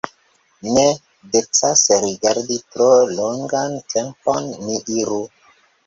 Ne decas rigardi tro longan tempon, ni iru!